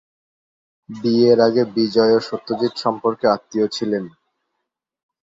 বিয়ের আগে বিজয় ও সত্যজিৎ সম্পর্কে আত্মীয় ছিলেন।